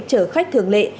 trở khách thường lệ